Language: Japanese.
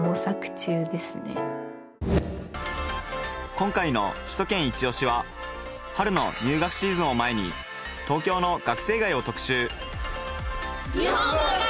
今回の「首都圏いちオシ！」は春の入学シーズンを前に東京の学生街を特集！